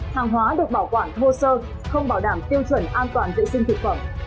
hàng hóa được bảo quản thô sơ không bảo đảm tiêu chuẩn an toàn vệ sinh thực phẩm